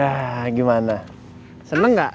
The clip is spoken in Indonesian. anginnya kenceng pak